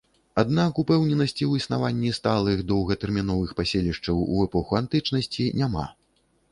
Аднак упэўненасці ў існаванні сталых доўгатэрміновых паселішчаў у эпоху антычнасці няма.